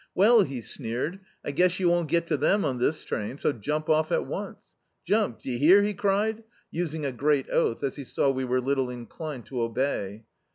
"Weil," he sneered, "I guess you won't get to them on this train, so jump off, at once. Jump! d'ye hear?" he cried, using a great oath, as he saw we were little inclined to obey.